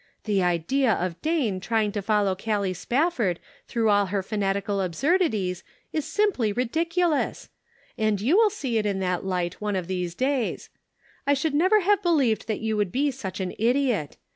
The idea of Dane trying to follow Callie Spafford through all her fanatical absurdities is simply ridiculous; and you will see it in that light one of these days. I could never have believed that you would be such an idiot.